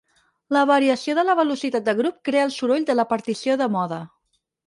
La variació de la velocitat de grup crea el soroll de la partició de mode.